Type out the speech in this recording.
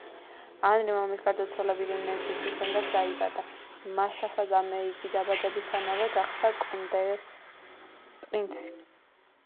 ანრი მამის გარდაცვალებიდან ექვსი თვის შემდეგ დაიბადა, მაშასადამე იგი დაბადებისთანავე გახდა კონდეს პრინცი.